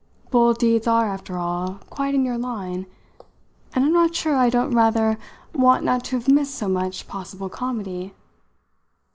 Bold deeds are, after all, quite in your line; and I'm not sure I don't rather want not to have missed so much possible comedy.